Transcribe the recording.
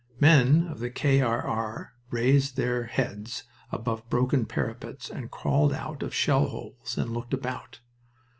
Men of the K. R. R. raised their heads above broken parapets and crawled out of shell holes and looked about.